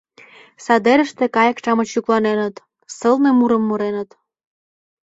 Садерыште кайык-шамыч йӱкланеныт, сылне мурым муреныт.